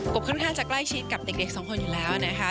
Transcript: บค่อนข้างจะใกล้ชิดกับเด็กสองคนอยู่แล้วนะคะ